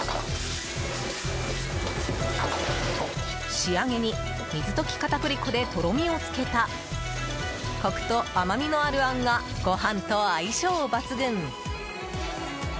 仕上げに水溶き片栗粉でとろみをつけたコクと、甘味のあるあんがご飯と相性抜群。